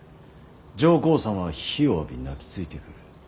上皇様は非をわび泣きついてくる。